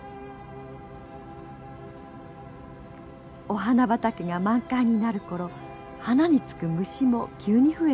お花畑が満開になる頃花につく虫も急に増えてきます。